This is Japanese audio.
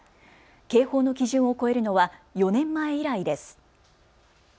警報の基準を超えるのは４年前以来です。